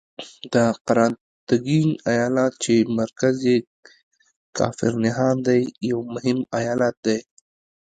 د قراتګین ایالت چې مرکز یې کافر نهان دی یو مهم ایالت دی.